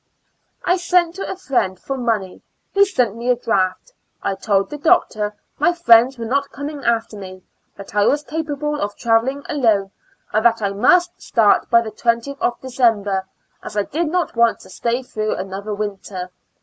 I sent to a friend for money. He sent me a draft. I told the Doctor my friends were not coming after me; that I was capa ble of traveling alone, and that I must start by the 20th of December, as I did not want to stay through another winter.